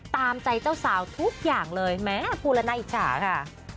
ตามใจเจ้าสาวทุกอย่างเลยแม้พูดละน่าอิจฉาค่ะ